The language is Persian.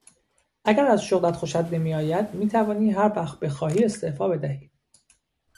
اگر از شغلت خوشت نمیآید میتوانی هر وقت بخواهی استعفا بدهی.